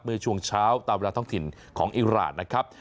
เมื่อช่วงเช้าตามเวลาท้องถิ่นของอิราณนะครับ